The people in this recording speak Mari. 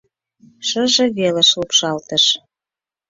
— Шыже велыш лупшалтыш..